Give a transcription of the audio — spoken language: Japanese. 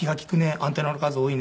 アンテナの数多いね」